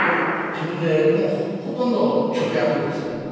自分でほとんど直訳ですよ。